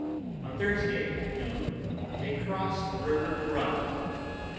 On Thursday, at noon, they crossed the river Coronda [?